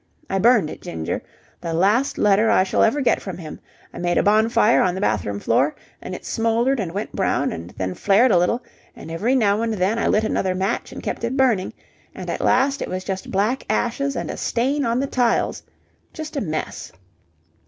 I burned it, Ginger. The last letter I shall ever get from him. I made a bonfire on the bathroom floor, and it smouldered and went brown, and then flared a little, and every now and then I lit another match and kept it burning, and at last it was just black ashes and a stain on the tiles. Just a mess!